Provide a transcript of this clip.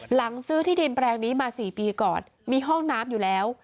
หลังซื้อที่ดินแปลงนี้มา๔ปีก่อนมีห้องน้ำอยู่แล้ว